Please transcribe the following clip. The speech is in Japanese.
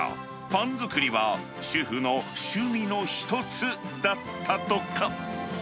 パン作りは主婦の趣味の一つだったとか。